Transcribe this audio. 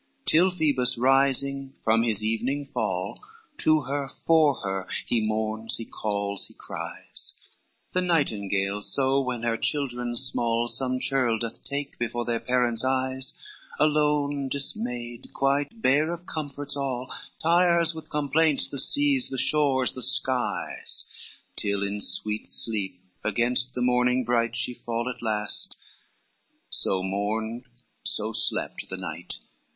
XC Till Phoebus' rising from his evening fall To her, for her, he mourns, he calls, he cries; The nightingale so when her children small Some churl takes before their parents' eyes, Alone, dismayed, quite bare of comforts all, Tires with complaints the seas, the shores, the skies, Till in sweet sleep against the morning bright She fall at last; so mourned, so slept the knight.